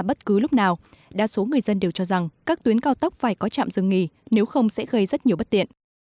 bất cứ lúc nào đa số người dân đều cho rằng các tuyến cao tốc phải có trạm dừng nghỉ nếu không sẽ gây rất nhiều bất tiện